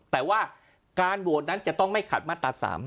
แต่ว่าการโหวตนั้นจะต้องไม่ขัดมาตรา๓